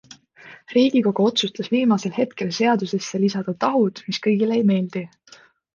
Riigikogu otsustas viimasel hetkel seadusesse lisada tahud, mis kõigile ei meeldi.